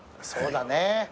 そうだね。